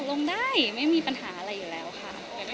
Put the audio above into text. ลงได้ไม่มีปัญหาอะไรอยู่แล้วค่ะ